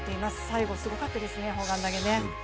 最後すごかったですね、砲丸投。